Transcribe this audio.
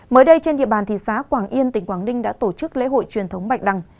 mới đây trên địa bàn thị xá quảng yên tỉnh quảng đinh đã tổ chức lễ hội truyền thống bạch đăng